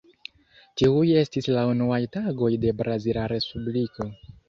Tiuj estis la unuaj tagoj de brazila Respubliko.